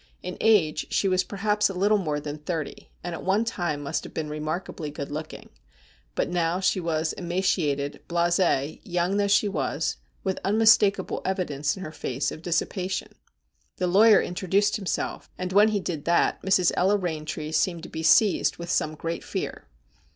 In age she was perhaps a little more than thirty, and at one time must have been remarkably good looking, but now she was emaciated, blasd, young though she was, with unmistakable evidence in her face of dissipation. The lawyer introduced himself, and when he did that Mrs. Ella Eaintree seemed to be seized with some great fear.